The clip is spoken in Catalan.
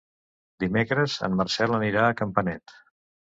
Dimecres en Marcel anirà a Campanet.